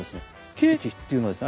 桂皮っていうのはですね